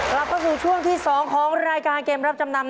กลับเข้าสู่ช่วงที่๒ของรายการเกมรับจำนำ